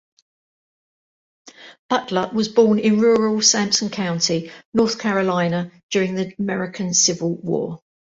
Butler was born in rural Sampson County, North Carolina during the American Civil War.